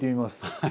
はい。